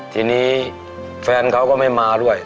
ทีนี้แฟนเขาก็ไม่มาด้วย